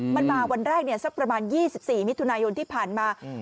มันมาวันแรกเนี่ยสักประมาณ๒๔มิถุนายนที่ผ่านมา